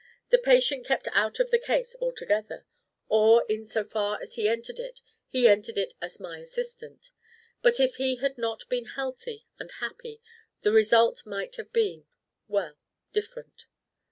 The patient kept out of the case altogether, or in so far as he entered it, he entered it as my assistant. But if he had not been healthy and happy, the result might have been well, different."